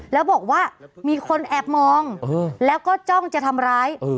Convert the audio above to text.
แล้วบอกว่ามีคนแอบมองแล้วก็จ้องจะทำร้าย